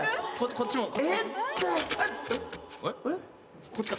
こっちか。